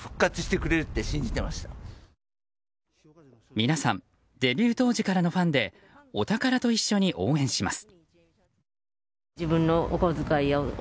皆さんデビュー当時からのファンでお宝と一緒に応援します。